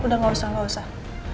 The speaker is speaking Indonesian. udah gak usah gak usah